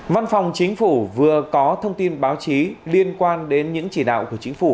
văn phòng chính phủ vừa có thông tin báo chí liên quan đến những chỉ đạo của chính phủ